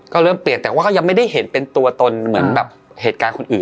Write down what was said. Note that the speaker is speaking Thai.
ก็เริ่มเปลี่ยนแต่ว่าก็ยังไม่ได้เห็นเป็นตัวตนเหมือนแบบเหตุการณ์คนอื่น